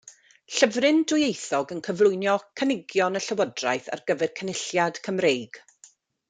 Llyfryn dwyieithog yn cyflwyno cynigion y Llywodraeth ar gyfer Cynulliad Cymreig.